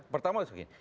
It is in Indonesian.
pertama itu begini